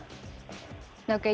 justru itu keunikan dan kenikmatan